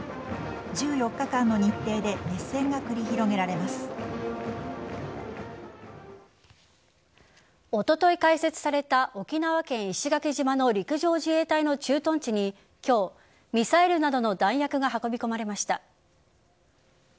１４日間の日程でおととい開設された沖縄県石垣島の陸上自衛隊の駐屯地に今日、ミサイルなどの弾薬が運び込まれました。